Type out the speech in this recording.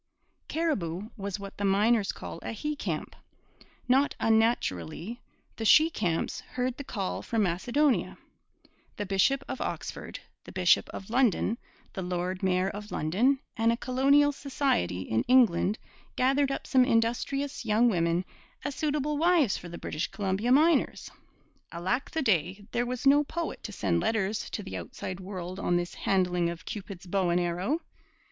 Cariboo was what the miners call a 'he camp.' Not unnaturally, the 'she camps' heard 'the call from Macedonia.' The bishop of Oxford, the bishop of London, the lord mayor of London, and a colonial society in England gathered up some industrious young women as suitable wives for the British Columbia miners. Alack the day, there was no poet to send letters to the outside world on this handling of Cupid's bow and arrow!